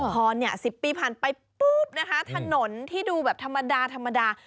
พอ๑๐ปีผ่านไปปุ๊บนะคะถนนที่ดูแบบธรรมดา